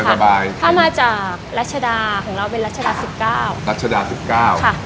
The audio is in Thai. สบายถ้ามาจากรัชดาของเราเป็นรัชดาสิบเก้ารัชดาสิบเก้าค่ะ